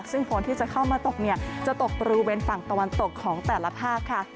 ซึ่งฝนที่จะเข้ามาตกเนี่ยจะตกบริเวณฝั่งตะวันตกของแต่ละภาคค่ะ